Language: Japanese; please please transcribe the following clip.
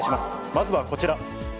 まずはこちら。